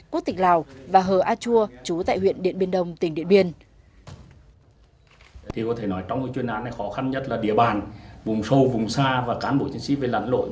quốc tịch lào và hờ a chua chú tại huyện điện biên đông tỉnh điện biên